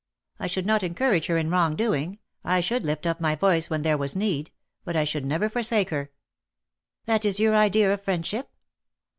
I should not encourage her in wrong doing. I should lift up my voice when there was need : but I should never forsake her.'' ^' That is your idea of friendship